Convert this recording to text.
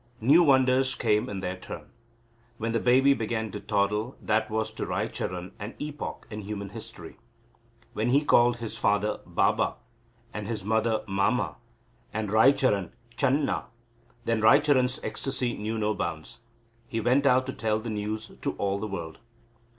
New wonders came in their turn. When the baby began to toddle, that was to Raicharan an epoch in human history. When he called his father Ba ba and his mother Ma ma and Raicharan Chan na, then Raicharan's ecstasy knew no bounds. He went out to tell the news to all the world.